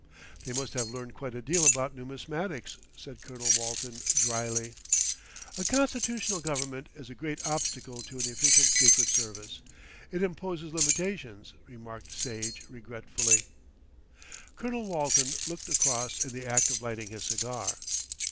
"They must have learned quite a deal about numismatics," said Colonel Walton drily. "A constitutional government is a great obstacle to an efficient Secret Service, it imposes limitations," remarked Sage regretfully. Colonel Walton looked across in the act of lighting his cigar.